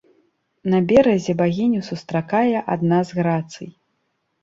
На беразе багіню сустракае адна з грацый.